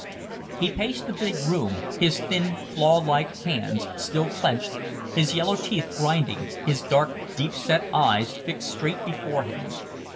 He paced the big room, his thin claw like hands still clenched, his yellow teeth grinding, his dark, deep set eyes fixed straight before him.